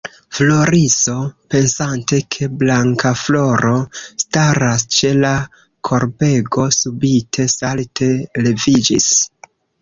Floriso, pensante ke Blankafloro staras ĉe la korbego, subite salte leviĝis.